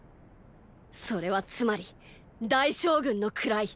それはつまり大将軍の位！